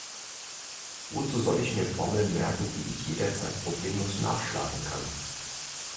Wozu soll ich mir Formeln merken, die ich jederzeit problemlos nachschlagen kann?